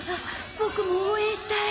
ボクも応援したい。